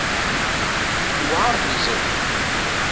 Tewɛer temẓi.